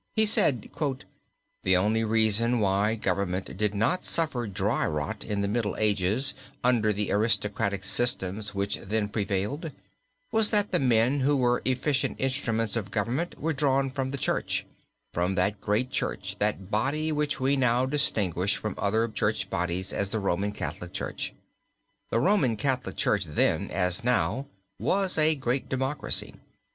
He said: "The only reason why government did not suffer dry rot in the Middle Ages under the aristocratic systems which then prevailed was that the men who were efficient instruments of government were drawn from the church from that great church, that body which we now distinguish from other church bodies as the Roman Catholic Church. The Roman Catholic Church then, as now, was a great democracy.